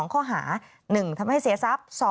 ข้อหา๑ทำให้เสียทรัพย์